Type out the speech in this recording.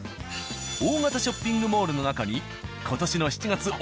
大型ショッピングモールの中に今年の７月オ